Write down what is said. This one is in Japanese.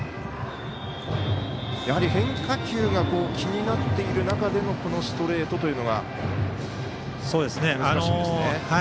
やはり変化球が気になっている中でのこのストレートというのが難しいですね。